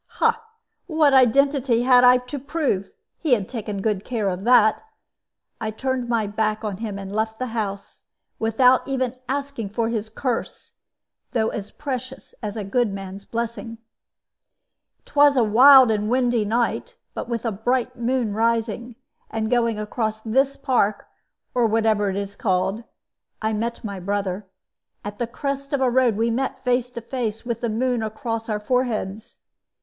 "What identity had I to prove? He had taken good care of that. I turned my back on him and left the house, without even asking for his curse, though as precious as a good man's blessing. "It was a wild and windy night, but with a bright moon rising, and going across this park or whatever it is called I met my brother. At a crest of the road we met face to face, with the moon across our foreheads.